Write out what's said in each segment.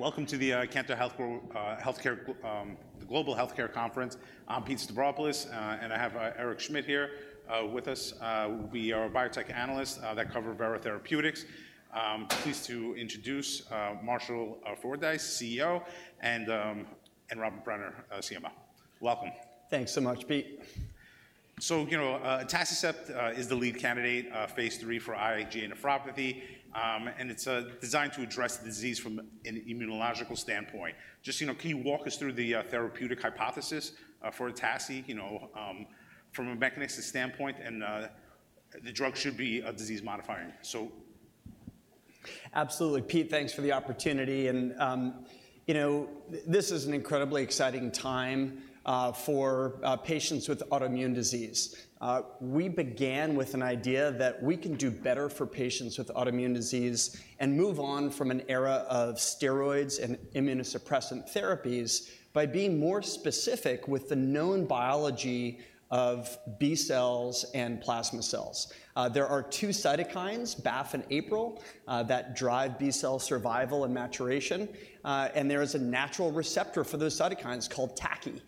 Welcome to the Cantor Fitzgerald Global Healthcare Conference. I'm Pete Stavropoulos, and I have Eric Schmidt here with us. We are biotech analysts that cover Vera Therapeutics. Pleased to introduce Marshall Fordyce, CEO, and Robert Brenner, CMO. Welcome. Thanks so much, Pete. You know, atacicept is the lead candidate, phase II for IgA nephropathy, and it's designed to address the disease from an immunological standpoint. Just, you know, can you walk us through the therapeutic hypothesis for atacicept, you know, from a mechanistic standpoint, and the drug should be a disease-modifying? Absolutely. Pete, thanks for the opportunity, and, you know, this is an incredibly exciting time for patients with autoimmune disease. We began with an idea that we can do better for patients with autoimmune disease and move on from an era of steroids and immunosuppressant therapies by being more specific with the known biology of B cells and plasma cells. There are two cytokines, BAFF and APRIL, that drive B-cell survival and maturation, and there is a natural receptor for those cytokines called TACI.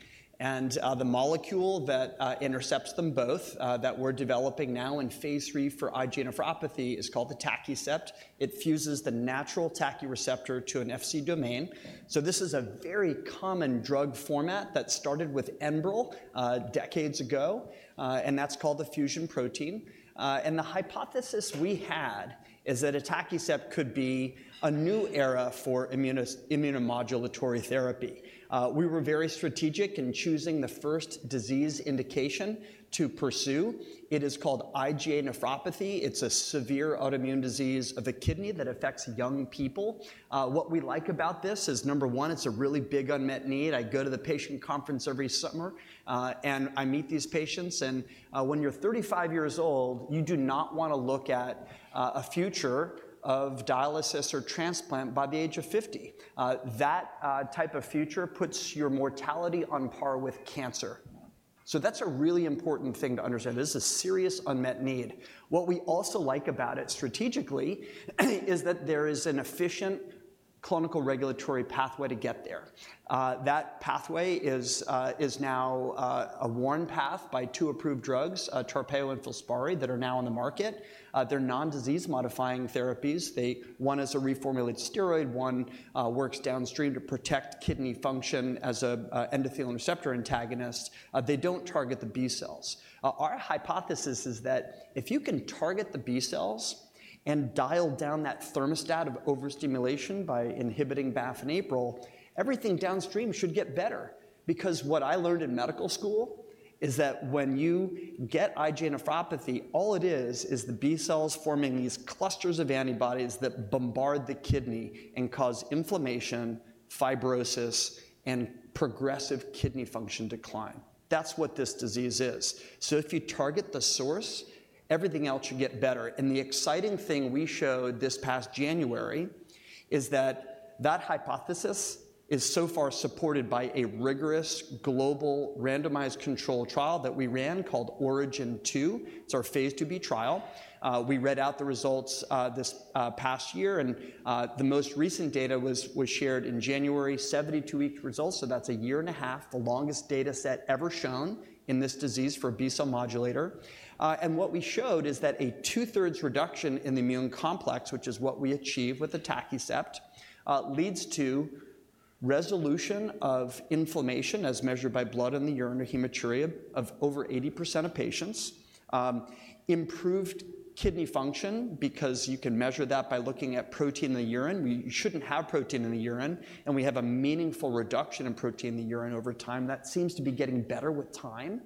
And, the molecule that intercepts them both that we're developing now in phase III for IgA nephropathy is called atacicept. It fuses the natural TACI receptor to an Fc domain. So this is a very common drug format that started with Enbrel decades ago, and that's called the fusion protein. And the hypothesis we had is that atacicept could be a new era for immunomodulatory therapy. We were very strategic in choosing the first disease indication to pursue. It is called IgA nephropathy. It's a severe autoimmune disease of the kidney that affects young people. What we like about this is, number one, it's a really big unmet need. I go to the patient conference every summer, and I meet these patients, and when you're 35 years old, you do not wanna look at a future of dialysis or transplant by the age of 50. That type of future puts your mortality on par with cancer. So that's a really important thing to understand. This is a serious unmet need. What we also like about it strategically is that there is an efficient clinical regulatory pathway to get there. That pathway is now a worn path by two approved drugs, Tarpeyo and Filspari, that are now on the market. They're non-disease modifying therapies. They... One is a reformulated steroid, one works downstream to protect kidney function as a endothelin receptor antagonist. They don't target the B cells. Our hypothesis is that if you can target the B cells and dial down that thermostat of overstimulation by inhibiting BAFF and APRIL, everything downstream should get better. Because what I learned in medical school is that when you get IgA nephropathy, all it is, is the B cells forming these clusters of antibodies that bombard the kidney and cause inflammation, fibrosis, and progressive kidney function decline. That's what this disease is. So if you target the source, everything else should get better. The exciting thing we showed this past January is that that hypothesis is so far supported by a rigorous, global, randomized controlled trial that we ran called ORIGIN 2. It's our phase II-B trial. We read out the results this past year, and the most recent data was shared in January, 72-week results, so that's a year and a half, the longest data set ever shown in this disease for a B-cell modulator. And what we showed is that a two-thirds reduction in the immune complex, which is what we achieve with the atacicept, leads to resolution of inflammation as measured by blood in the urine, or hematuria, of over 80% of patients, improved kidney function, because you can measure that by looking at protein in the urine. We shouldn't have protein in the urine, and we have a meaningful reduction in protein in the urine over time. That seems to be getting better with time.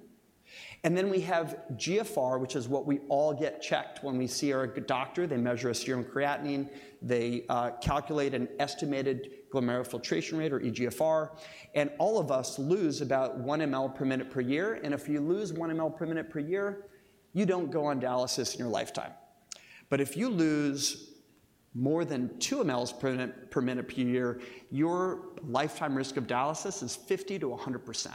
And then we have GFR, which is what we all get checked when we see our GP doctor. They measure a serum creatinine, they calculate an estimated glomerular filtration rate or eGFR, and all of us lose about 1 ml per minute per year, and if you lose 1 ml per minute per year, you don't go on dialysis in your lifetime. But if you lose more than 2 ml per minute per year, your lifetime risk of dialysis is 50%-100%,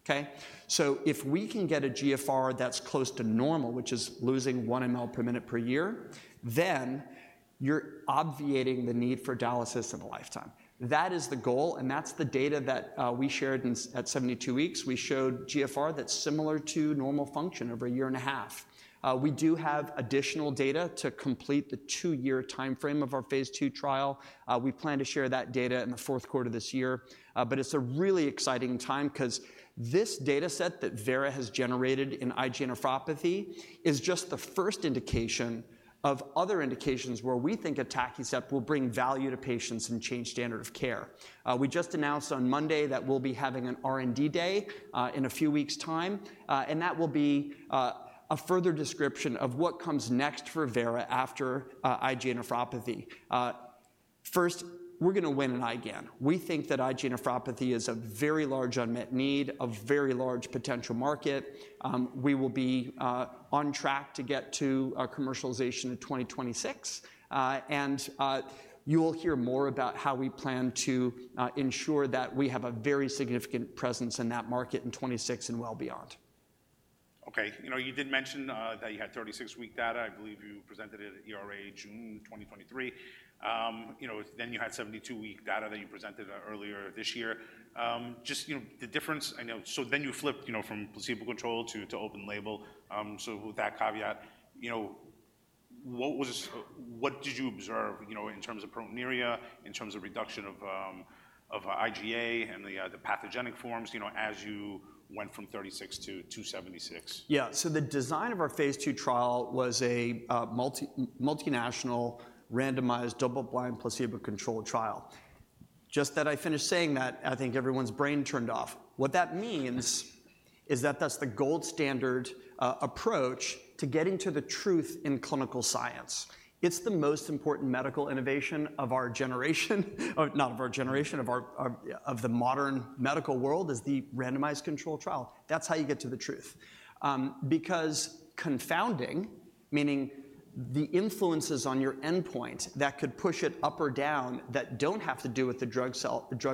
okay? So if we can get a GFR that's close to normal, which is losing 1 ml per minute per year, then you're obviating the need for dialysis in a lifetime. That is the goal, and that's the data that we shared at ASN at 72 weeks. We showed GFR that's similar to normal function over a year and a half. We do have additional data to complete the two-year timeframe of our phase II trial. We plan to share that data in the fourth quarter this year. But it's a really exciting time 'cause this data set that Vera has generated in IgA nephropathy is just the first indication of other indications where we think atacicept will bring value to patients and change standard of care. We just announced on Monday that we'll be having an R&D Day in a few weeks' time, and that will be a further description of what comes next for Vera after IgA nephropathy. First, we're gonna win in IgAN. We think that IgA nephropathy is a very large unmet need, a very large potential market. We will be on track to get to commercialization in 2026, and you will hear more about how we plan to ensure that we have a very significant presence in that market in 2026 and well beyond.... Okay, you know, you did mention that you had 36-week data. I believe you presented it at ERA, June 2023. You know, then you had 72-week data that you presented earlier this year. Just, you know, the difference, I know. So then you flipped, you know, from placebo control to open label. So with that caveat, you know, what was, what did you observe, you know, in terms of proteinuria, in terms of reduction of of IgA and the the pathogenic forms, you know, as you went from 36 to 72? Yeah. So the design of our phase II trial was a multinational, randomized, double-blind, placebo-controlled trial. Just that I finished saying that, I think everyone's brain turned off. What that means is that that's the gold standard approach to getting to the truth in clinical science. It's the most important medical innovation of our generation, or not of our generation, of the modern medical world, is the randomized control trial. That's how you get to the truth. Because confounding, meaning the influences on your endpoint that could push it up or down, that don't have to do with the drug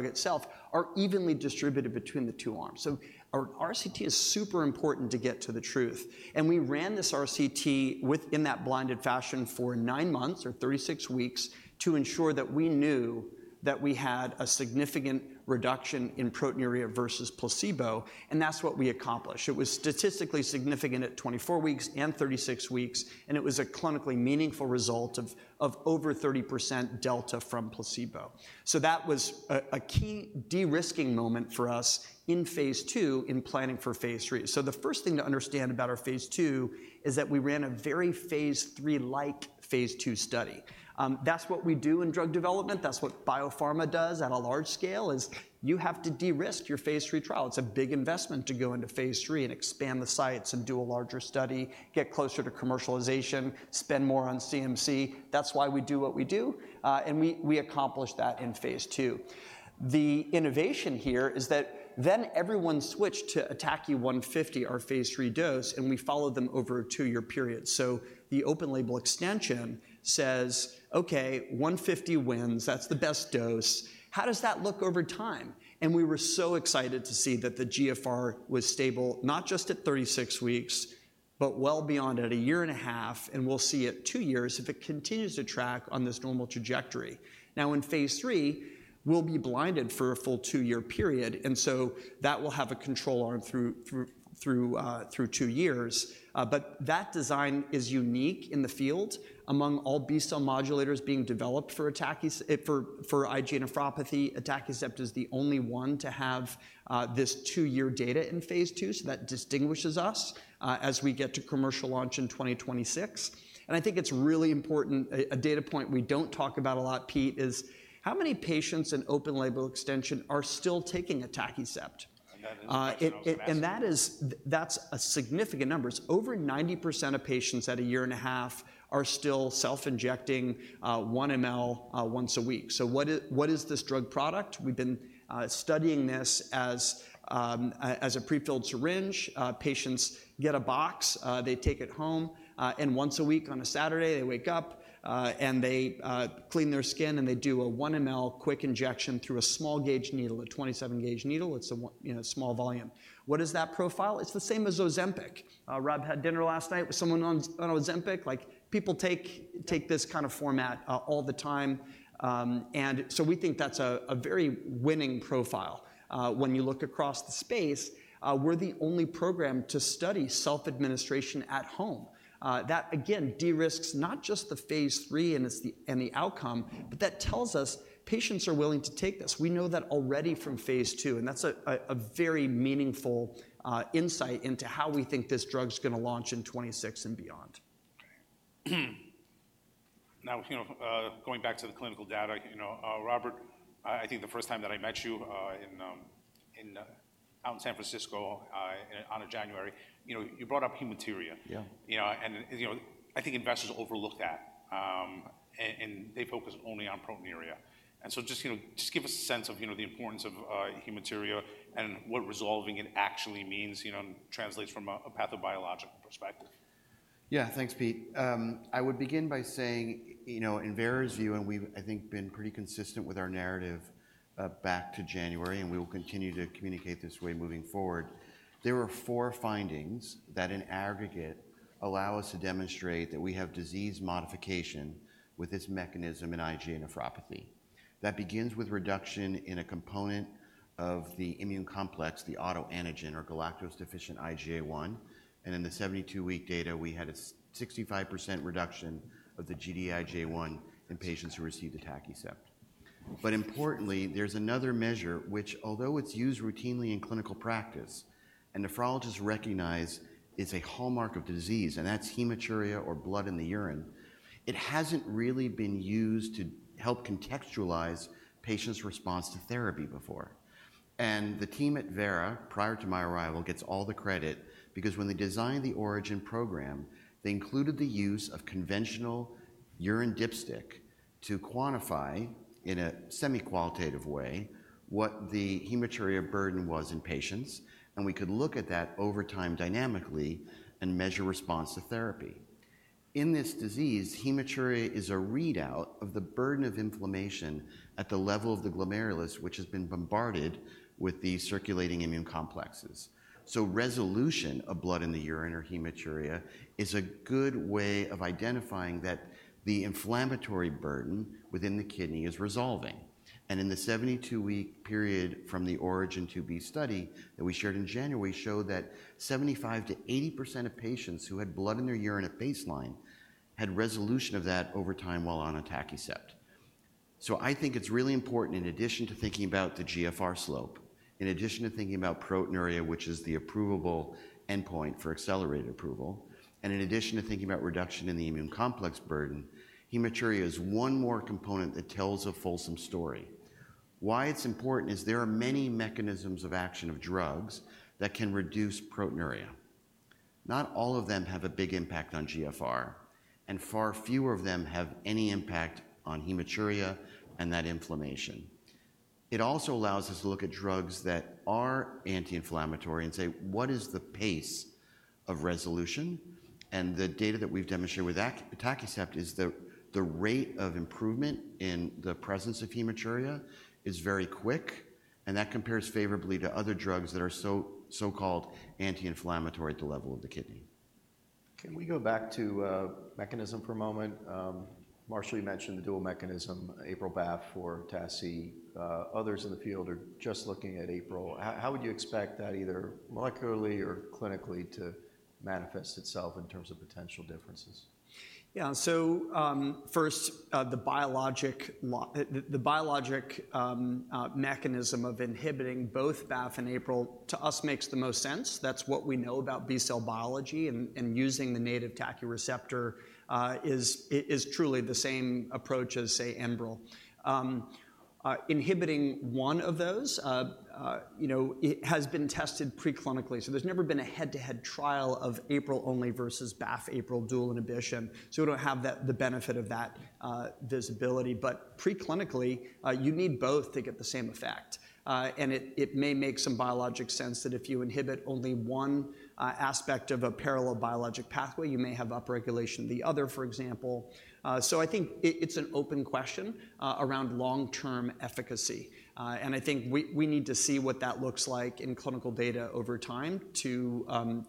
itself, are evenly distributed between the two arms. So our RCT is super important to get to the truth, and we ran this RCT within that blinded fashion for nine months or 36 weeks to ensure that we knew that we had a significant reduction in proteinuria versus placebo, and that's what we accomplished. It was statistically significant at 24 weeks and 36 weeks, and it was a clinically meaningful result of, of over 30% delta from placebo. So that was a, a key de-risking moment for us in phase II in planning for phase III. So the first thing to understand about our phase II is that we ran a very phase III-like phase II study. That's what we do in drug development. That's what biopharma does on a large scale, is you have to de-risk your phase III trial. It's a big investment to go into phase III and expand the sites and do a larger study, get closer to commercialization, spend more on CMC. That's why we do what we do, and we accomplished that in phase 2. The innovation here is that then everyone switched to TACI 150, our phase III dose, and we followed them over a two-year period. So the open-label extension says, "Okay, 150 wins. That's the best dose. How does that look over time?" and we were so excited to see that the GFR was stable, not just at 36 weeks, but well beyond, at a year and a half, and we'll see at two years if it continues to track on this normal trajectory. Now, in phase III, we'll be blinded for a full two-year period, and so that will have a control arm through two years. But that design is unique in the field among all B-cell modulators being developed for IgA nephropathy. Atacicept is the only one to have this two-year data in phase II, so that distinguishes us as we get to commercial launch in 2026, and I think it's really important, a data point we don't talk about a lot, Pete, is: How many patients in open label extension are still taking atacicept? And that injection- That's a significant number. It's over 90% of patients at a year and a half are still self-injecting 1 ml once a week. So what is this drug product? We've been studying this as a prefilled syringe. Patients get a box, they take it home, and once a week on a Saturday, they wake up and they clean their skin, and they do a 1 ml quick injection through a small gauge needle, a 27-gauge needle. It's a one, you know, small volume. What is that profile? It's the same as Ozempic. Rob had dinner last night with someone on Ozempic. Like, people take this kind of format all the time, and so we think that's a very winning profile. When you look across the space, we're the only program to study self-administration at home. That, again, de-risks not just the phase III and it's the outcome, but that tells us patients are willing to take this. We know that already from phase II, and that's a very meaningful insight into how we think this drug's gonna launch in 2026 and beyond. Now, you know, going back to the clinical data, you know, Robert, I think the first time that I met you out in San Francisco on January, you know, you brought up hematuria. Yeah. You know, and you know, I think investors overlook that, and they focus only on proteinuria. And so just, you know, just give us a sense of, you know, the importance of hematuria and what resolving it actually means, you know, and translates from a pathobiological perspective. Yeah. Thanks, Pete. I would begin by saying, you know, in Vera's view, and we've, I think, been pretty consistent with our narrative, back to January, and we will continue to communicate this way moving forward, there were four findings that in aggregate allow us to demonstrate that we have disease modification with this mechanism in IgA nephropathy. That begins with reduction in a component of the immune complex, the autoantigen or galactose-deficient IgA1, and in the 72-week data, we had a 65% reduction of the Gd-IgA1 in patients who received the atacicept. But importantly, there's another measure which, although it's used routinely in clinical practice, and nephrologists recognize it's a hallmark of disease, and that's hematuria or blood in the urine, it hasn't really been used to help contextualize patients' response to therapy before. The team at Vera, prior to my arrival, gets all the credit because when they designed the ORIGIN program, they included the use of conventional urine dipstick to quantify, in a semi-qualitative way, what the hematuria burden was in patients, and we could look at that over time dynamically and measure response to therapy. In this disease, hematuria is a readout of the burden of inflammation at the level of the glomerulus, which has been bombarded with the circulating immune complexes. So resolution of blood in the urine or hematuria is a good way of identifying that the inflammatory burden within the kidney is resolving. In the 72-week period from the ORIGIN 2b study that we shared in January, showed that 75%-80% of patients who had blood in their urine at baseline had resolution of that over time while on atacicept. I think it's really important, in addition to thinking about the GFR slope, in addition to thinking about proteinuria, which is the approvable endpoint for accelerated approval, and in addition to thinking about reduction in the immune complex burden, hematuria is one more component that tells a fulsome story. Why it's important is there are many mechanisms of action of drugs that can reduce proteinuria. Not all of them have a big impact on GFR, and far fewer of them have any impact on hematuria and that inflammation. It also allows us to look at drugs that are anti-inflammatory and say, "What is the pace of resolution?" The data that we've demonstrated with atacicept is the rate of improvement in the presence of hematuria is very quick, and that compares favorably to other drugs that are so-called anti-inflammatory at the level of the kidney. Can we go back to mechanism for a moment? Marshall, you mentioned the dual mechanism, APRIL-BAFF for TACI. Others in the field are just looking at APRIL. How would you expect that, either molecularly or clinically, to manifest itself in terms of potential differences? Yeah, so, first, the biologic mechanism of inhibiting both BAFF and APRIL, to us, makes the most sense. That's what we know about B-cell biology, and using the native TACI receptor, is truly the same approach as, say, Enbrel. Inhibiting one of those, you know, it has been tested preclinically, so there's never been a head-to-head trial of APRIL only versus BAFF/APRIL dual inhibition, so we don't have that, the benefit of that, visibility, but preclinically, you need both to get the same effect, and it may make some biologic sense that if you inhibit only one aspect of a parallel biologic pathway, you may have upregulation of the other, for example, so I think it's an open question around long-term efficacy. And I think we need to see what that looks like in clinical data over time to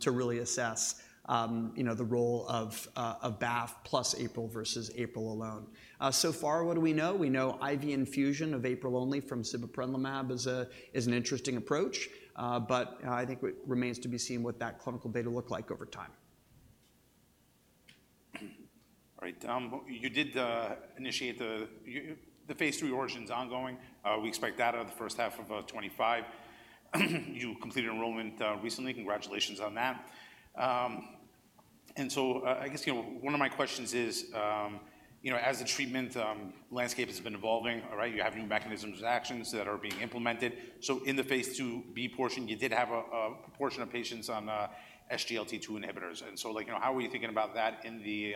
really assess you know the role of BAFF plus APRIL versus APRIL alone. So far, what do we know? We know IV infusion of APRIL only from sibeprenlimab is an interesting approach, but I think it remains to be seen what that clinical data look like over time. All right, you did initiate the phase III ORIGIN is ongoing. We expect that out of the first half of 2025. You completed enrollment recently. Congratulations on that. And so, I guess, you know, one of my questions is, you know, as the treatment landscape has been evolving, all right, you have new mechanisms of actions that are being implemented. So in the phase II-B portion, you did have a portion of patients on SGLT2 inhibitors. And so, like, you know, how are you thinking about that in the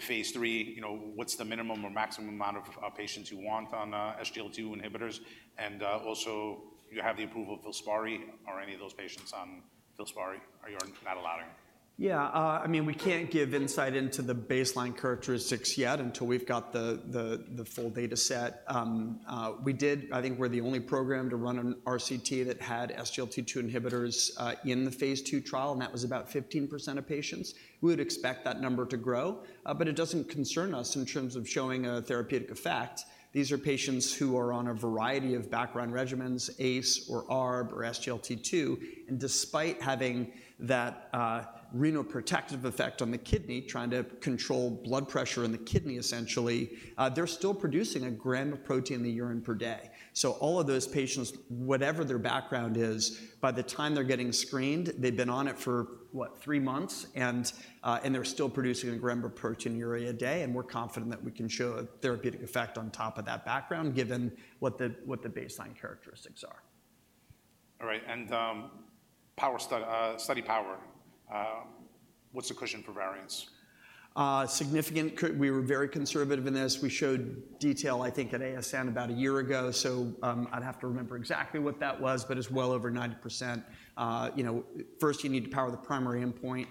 phase III? You know, what's the minimum or maximum amount of patients you want on SGLT2 inhibitors? And also, you have the approval of Filspari. Are any of those patients on Filspari, or you're not allowing? Yeah, I mean, we can't give insight into the baseline characteristics yet until we've got the full data set. We did. I think we're the only program to run an RCT that had SGLT2 inhibitors in the phase II trial, and that was about 15% of patients. We would expect that number to grow, but it doesn't concern us in terms of showing a therapeutic effect. These are patients who are on a variety of background regimens, ACE or ARB or SGLT2, and despite having that renoprotective effect on the kidney, trying to control blood pressure in the kidney, essentially, they're still producing a gram of protein in the urine per day. So all of those patients, whatever their background is, by the time they're getting screened, they've been on it for, what, three months, and they're still producing a gram of proteinuria a day, and we're confident that we can show a therapeutic effect on top of that background, given what the baseline characteristics are. All right, and, study power. What's the cushion for variance? We were very conservative in this. We showed detail, I think, at ASN about a year ago, so I'd have to remember exactly what that was, but it's well over 90%. You know, first, you need to power the primary endpoint,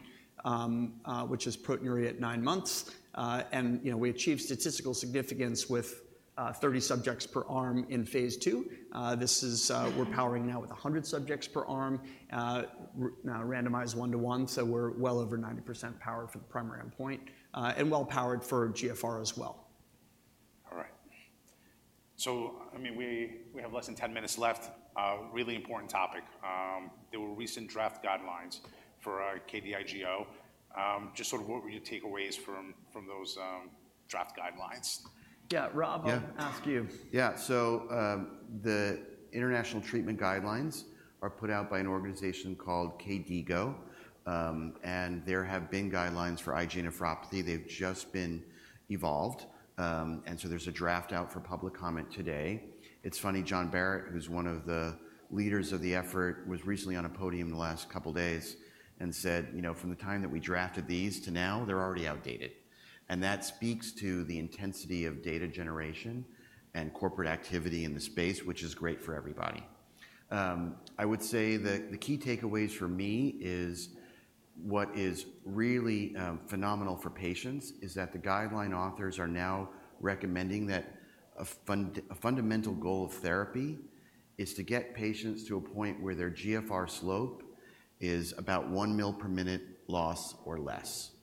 which is proteinuria at nine months, and you know, we achieved statistical significance with 30 subjects per arm in phase II. This is, we're powering now with 100 subjects per arm, now randomized one to one, so we're well over 90% powered for the primary endpoint, and well-powered for GFR as well. All right. So, I mean, we have less than ten minutes left. Really important topic. There were recent draft guidelines for KDIGO. Just sort of what were your takeaways from those draft guidelines? Yeah, Rob- Yeah. I'll ask you. Yeah, so, the international treatment guidelines are put out by an organization called KDIGO, and there have been guidelines for IgA nephropathy. They've just been evolved, and so there's a draft out for public comment today. It's funny, John Barratt, who's one of the leaders of the effort, was recently on a podium the last couple of days and said, "You know, from the time that we drafted these to now, they're already outdated."... and that speaks to the intensity of data generation and corporate activity in the space, which is great for everybody. I would say that the key takeaways for me is what is really phenomenal for patients, is that the guideline authors are now recommending that a fundamental goal of therapy is to get patients to a point where their GFR slope is about 1 ml per minute loss or less.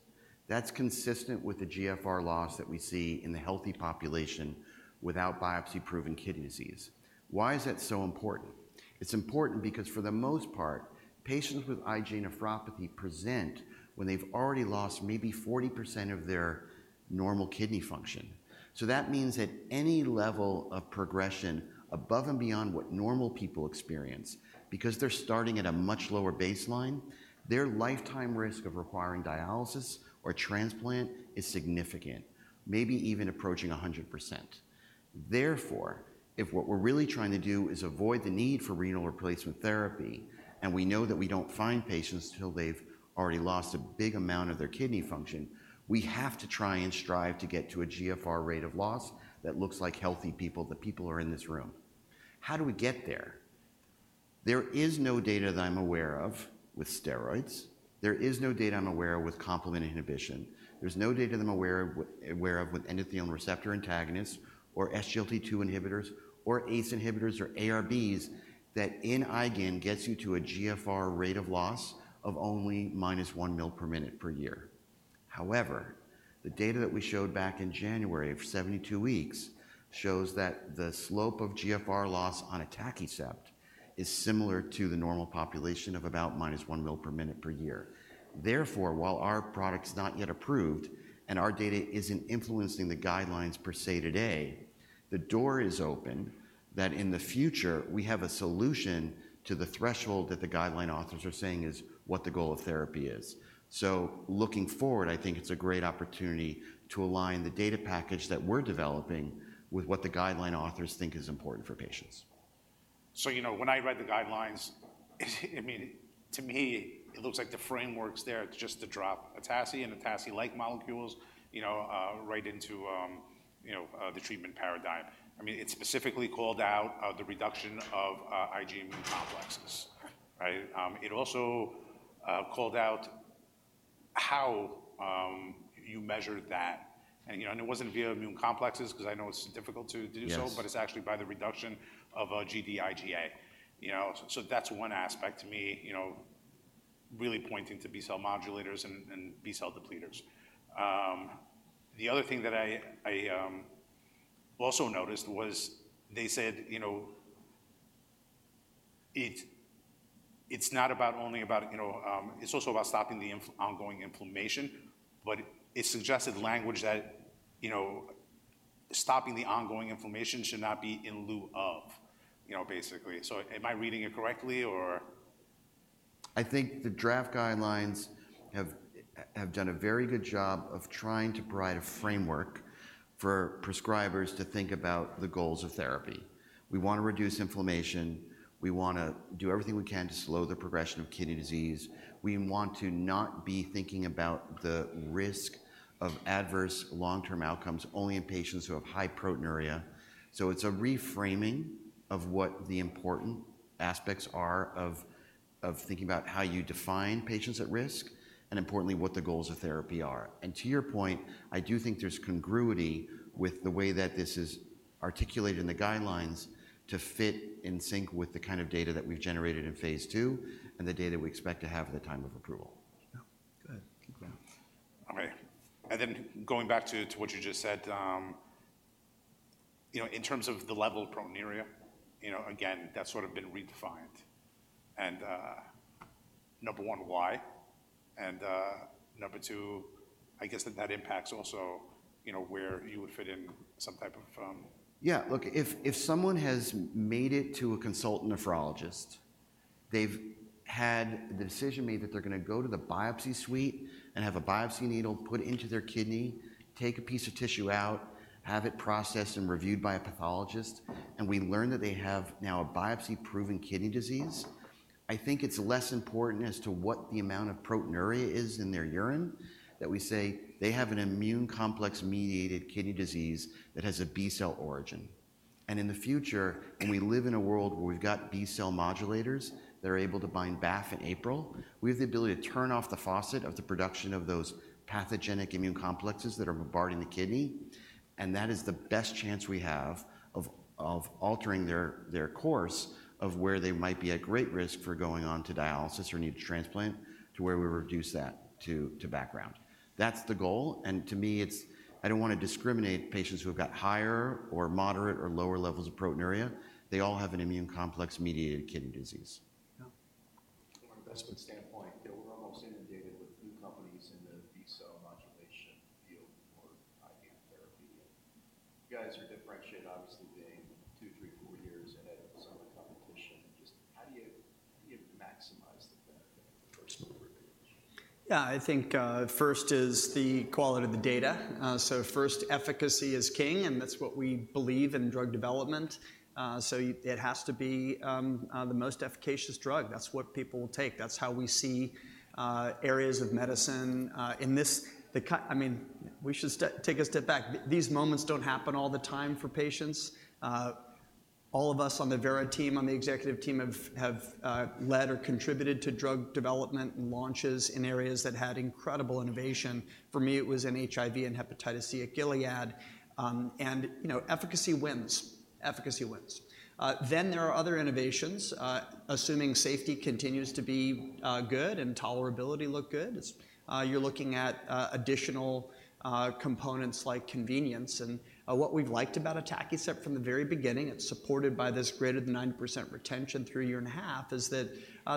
That's consistent with the GFR loss that we see in the healthy population without biopsy-proven kidney disease. Why is that so important? It's important because for the most part, patients with IgA nephropathy present when they've already lost maybe 40% of their normal kidney function. So that means at any level of progression above and beyond what normal people experience, because they're starting at a much lower baseline, their lifetime risk of requiring dialysis or transplant is significant, maybe even approaching 100%. Therefore, if what we're really trying to do is avoid the need for renal replacement therapy, and we know that we don't find patients till they've already lost a big amount of their kidney function, we have to try and strive to get to a GFR rate of loss that looks like healthy people, the people who are in this room. How do we get there? There is no data that I'm aware of with steroids. There is no data I'm aware of with complement inhibition. There's no data that I'm aware of aware of with endothelin receptor antagonists, or SGLT2 inhibitors, or ACE inhibitors, or ARBs, that in IgAN gets you to a GFR rate of loss of only minus one ml per minute per year. However, the data that we showed back in January at 72 weeks shows that the slope of GFR loss on atacicept is similar to the normal population of about -1 ml/min/year. Therefore, while our product's not yet approved and our data isn't influencing the guidelines per se today, the door is open that in the future, we have a solution to the threshold that the guideline authors are saying is what the goal of therapy is. So looking forward, I think it's a great opportunity to align the data package that we're developing with what the guideline authors think is important for patients. So, you know, when I read the guidelines, I mean, to me, it looks like the framework's there just to drop atacicept and atacicept-like molecules, you know, right into, you know, the treatment paradigm. I mean, it specifically called out the reduction of IgA immune complexes, right? It also called out how you measure that. You know, and it wasn't via immune complexes, because I know it's difficult to do so- Yes. But it's actually by the reduction of Gd-IgA1. You know, so that's one aspect to me, you know, really pointing to B-cell modulators and B-cell depleters. The other thing that I also noticed was they said, you know, it's not only about, you know. It's also about stopping the ongoing inflammation, but it suggested language that, you know, stopping the ongoing inflammation should not be in lieu of, you know, basically. So am I reading it correctly, or? I think the draft guidelines have done a very good job of trying to provide a framework for prescribers to think about the goals of therapy. We wanna reduce inflammation, we wanna do everything we can to slow the progression of kidney disease. We want to not be thinking about the risk of adverse long-term outcomes, only in patients who have high proteinuria. So it's a reframing of what the important aspects are of thinking about how you define patients at risk, and importantly, what the goals of therapy are. And to your point, I do think there's congruity with the way that this is articulated in the guidelines to fit in sync with the kind of data that we've generated in phase II and the data we expect to have at the time of approval. Yeah. Good. Thank you. Okay. And then going back to, to what you just said, you know, in terms of the level of proteinuria, you know, again, that's sort of been redefined. And, number one, why? And, number two, I guess that that impacts also, you know, where you would fit in some type of, Yeah, look, if someone has made it to a consultant nephrologist, they've had the decision made that they're gonna go to the biopsy suite and have a biopsy needle put into their kidney, take a piece of tissue out, have it processed and reviewed by a pathologist, and we learn that they have now a biopsy-proven kidney disease. I think it's less important as to what the amount of proteinuria is in their urine, that we say they have an immune complex-mediated kidney disease that has a B-cell origin. In the future, when we live in a world where we've got B-cell modulators that are able to bind BAFF and APRIL, we have the ability to turn off the faucet of the production of those pathogenic immune complexes that are bombarding the kidney, and that is the best chance we have of altering their course of where they might be at great risk for going on to dialysis or need to transplant, to where we reduce that to background. That's the goal, and to me, it's. I don't wanna discriminate patients who have got higher or moderate or lower levels of proteinuria. They all have an immune complex-mediated kidney disease. Yeah. From an investment standpoint, you know, we're almost inundated with new companies in the B-cell modulation field for IgAN therapy. You guys are differentiated, obviously, being two, three, four years ahead of some of the competition, and just how do you, how do you maximize the benefit for small groups? Yeah, I think first is the quality of the data. So first, efficacy is king, and that's what we believe in drug development. So it has to be the most efficacious drug. That's what people will take. That's how we see areas of medicine. I mean, we should take a step back. These moments don't happen all the time for patients. All of us on the Vera team, on the executive team, have led or contributed to drug development and launches in areas that had incredible innovation. For me, it was in HIV and hepatitis C at Gilead. And, you know, efficacy wins. Efficacy wins. Then there are other innovations, assuming safety continues to be good and tolerability look good, you're looking at additional components like convenience. And what we've liked about atacicept from the very beginning, it's supported by this greater than 90% retention through a year and a half, is that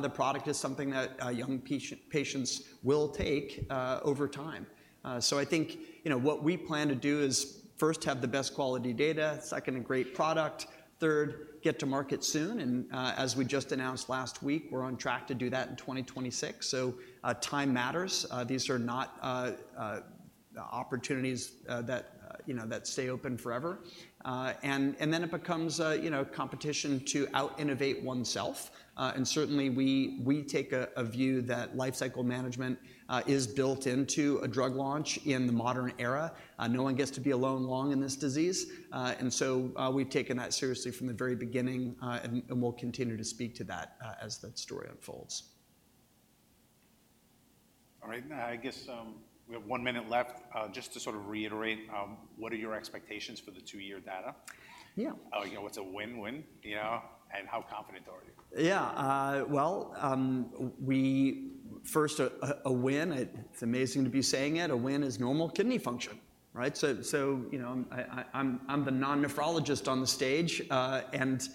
the product is something that young patients will take over time. So I think, you know, what we plan to do is, first, have the best quality data, second, a great product, third, get to market soon, and as we just announced last week, we're on track to do that in 2026. So time matters. These are not opportunities that, you know, that stay open forever. And then it becomes a, you know, competition to out-innovate oneself. And certainly we take a view that lifecycle management is built into a drug launch in the modern era. No one gets to be alone long in this disease, and so, we've taken that seriously from the very beginning, and we'll continue to speak to that, as that story unfolds. All right, I guess, we have one minute left. Just to sort of reiterate, what are your expectations for the two-year data? Yeah. you know, what's a win-win, you know, and how confident are you? Yeah, well, first, a win, it's amazing to be saying it, a win is normal kidney function, right? So, you know, I'm the non-nephrologist on the stage, and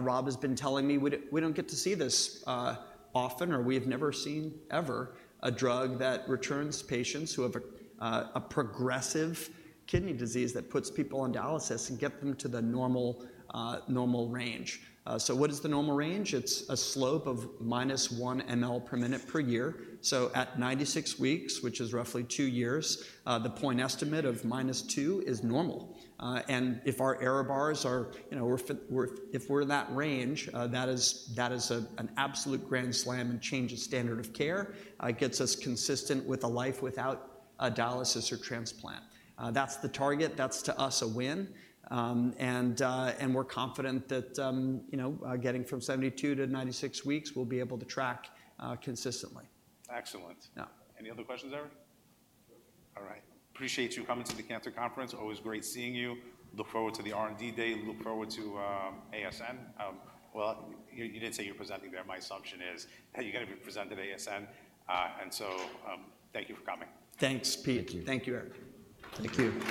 Rob has been telling me, "We don't get to see this often, or we have never seen, ever, a drug that returns patients who have a progressive kidney disease that puts people on dialysis and get them to the normal range." So what is the normal range? It's a slope of minus one mL per minute per year. So at 96 weeks, which is roughly two years, the point estimate of minus two is normal. And if our error bars are, you know, if we're in that range, that is an absolute grand slam and change in standard of care. It gets us consistent with a life without a dialysis or transplant. That's the target, to us, a win. And we're confident that, you know, getting from 72 to 96 weeks, we'll be able to track consistently. Excellent. Yeah. Any other questions, Eric? All right. Appreciate you coming to the Cantor Conference. Always great seeing you. Look forward to the R&D Day. Look forward to ASN. Well, you did say you're presenting there. My assumption is that you're gonna be presenting ASN, and so, thank you for coming. Thanks, Pete. Thank you. Thank you, Eric. Thank you.